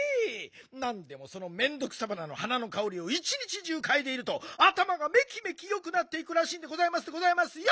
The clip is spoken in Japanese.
なんでもそのメンドクサバナの花のかおりをいちにちじゅうかいでいるとあたまがめきめきよくなっていくらしいんでございますでございますよ！